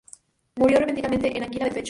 Murió repentinamente de angina de pecho.